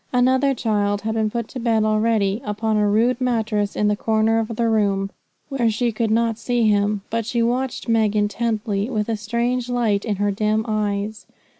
Another child had been put to bed already, upon a rude mattress in a corner of the room, where she could not see him; but she watched Meg intently, with a strange light in her dim eyes.